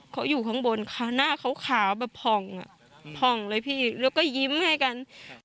เขาอยู่ข้างบนค่ะหน้าเขาขาวแบบผ่องอ่ะผ่องเลยพี่แล้วก็ยิ้มให้กัน